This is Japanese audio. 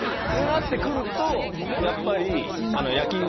なって来るとやっぱり。